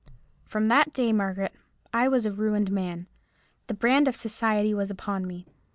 "From that day, Margaret, I was a ruined man. The brand of society was upon me.